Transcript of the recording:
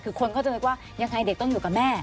คือคนก็จะนึกว่ายังไงเด็กต้องอยู่กับแม่